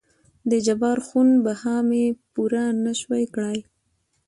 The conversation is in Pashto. دجبار خون بها مې پوره نه شوى کړى.